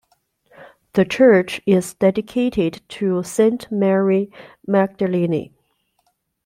The church is dedicated to Saint Mary Magdalene.